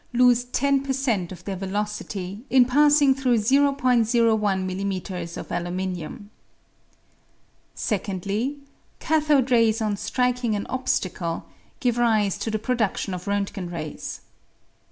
lose 10 per cent of their velocity in passing through o oi m.m. of aluminium. Secondly, cathode rays on striking an obstacle give rise to the pro dudlion of Rontgen rays.